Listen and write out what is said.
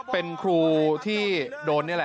เป็นครูที่โดน